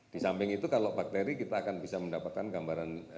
disamping itu kalau bakteri kita akan bisa mendapatkan gambaran